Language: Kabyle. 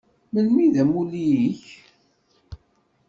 Melmi i d amulli-ik?